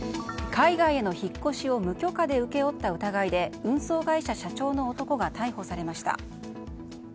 海外への引っ越しを無許可で請け負った疑いで運送会社社長の男が逮捕されました。